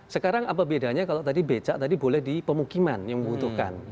sekarang apa bedanya kalau tadi becak tadi boleh di pemukiman yang membutuhkan